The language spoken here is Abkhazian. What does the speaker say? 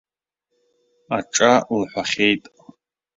Аҿа лҳәахьеит.